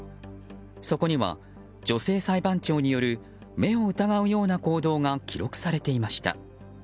そこには、女性裁判長による目を疑うような光景が記録されていました。